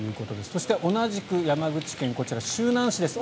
そして、同じく山口県こちら周南市です。